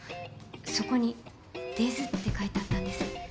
そこに「出ず」って書いてあったんです。